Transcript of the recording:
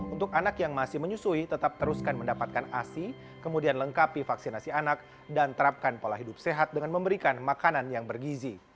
untuk anak yang masih menyusui tetap teruskan mendapatkan asi kemudian lengkapi vaksinasi anak dan terapkan pola hidup sehat dengan memberikan makanan yang bergizi